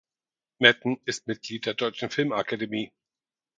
Metten ist Mitglied der Deutschen Filmakademie.